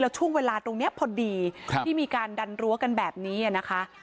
ช่วงเวลาตรงนี้พอดีที่มีการดันรั้วกันแบบนี้นะคะ